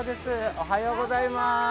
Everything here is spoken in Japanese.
おはようございます。